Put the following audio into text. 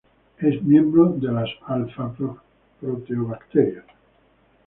Es un miembro de las alfa proteobacterias.